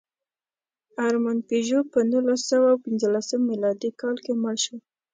ارمان پيژو په نولسسوهپینځلسم مېلادي کال کې مړ شو.